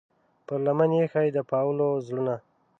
پر لمن ایښې د پاولو زړونه